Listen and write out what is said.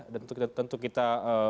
dan tentu kita